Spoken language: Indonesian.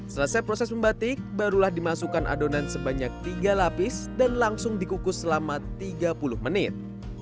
selesai proses membatik barulah dimasukkan adonan sebanyak tiga lapis dan langsung dikukus selama tiga puluh menit